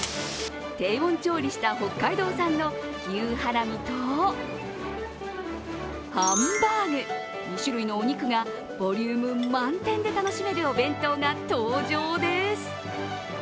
低温調理した北海道産の牛ハラミとハンバーグ、２種類のお肉がボリューム満点で楽しめるお弁当が登場です。